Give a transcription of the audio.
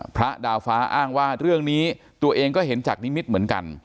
พระดาวฟ้าอ้างว่าเรื่องนี้ตัวเองก็เห็นจากนิมิตรเหมือนกัน